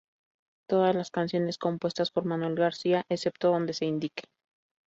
Todas las canciones compuestas por Manuel García excepto donde se indique.